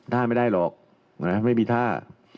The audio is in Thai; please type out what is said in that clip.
ท่าไม่ได้หรอกไม่มีท่า